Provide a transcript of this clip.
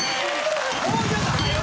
もうちょっとはよ